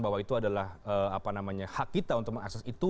bahwa itu adalah hak kita untuk mengakses itu